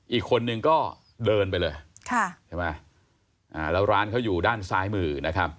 อีกคนนึงก็เดินไปเลยแล้วร้านเขาอยู่ด้านซ้ายมือนะครับ